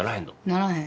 ならへん。